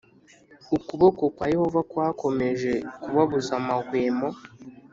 ukuboko+ kwa yehova kwakomeje kubabuza amahwemo